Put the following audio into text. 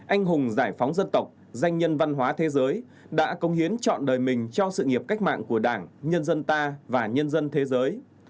anh hùng giải phóng dân tộc danh nhân văn hóa thế giới đã công hiến chọn đời mình cho sự nghiệp cách mạng của đảng nhân dân ta và nhân dân thế giới